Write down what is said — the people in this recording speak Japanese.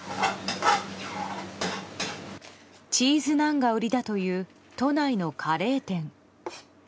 チーズナンが売りだという都内のカレー店。